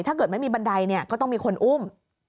ถ้าเกิดไม่มีบันไดก็ต้องมีคนอุ้ม